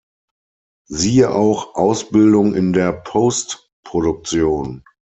Siehe auch Ausbildung in der Postproduktion.